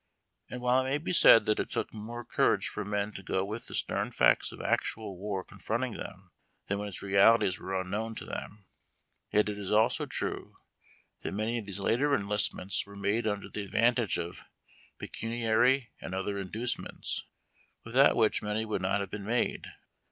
And while it may be said that it took more courage for men to go with the stern facts of actual war confronting them than when its realities were unknown to them, yet it is also true that many of these later enlistments were made under the advantage of pecuniary and other inducements, without which many would not have been made.